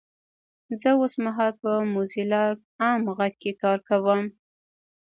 زه اوسمهال په موځیلا عام غږ کې کار کوم 😊!